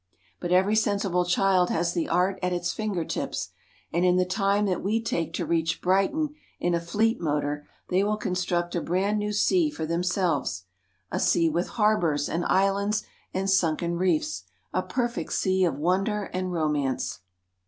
But every sensible child has the art at its finger tips, and in the time that we take to reach Brighton in a fleet motor they will construct a brand new sea for themselves a sea with harbours and 172 THE DAY BEFORE YESTERDAY islands and sunken reefs, a perfect sea of wonder and romance.